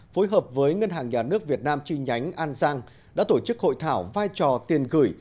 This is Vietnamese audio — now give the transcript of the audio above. phối hợp với ngân hàng nhà nước việt nam chi nhánh an giang đã tổ chức hội thảo vai trò tiền gửi